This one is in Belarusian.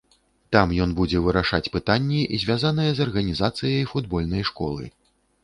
Там ён будзе вырашаць пытанні, звязаныя з арганізацыяй футбольнай школы.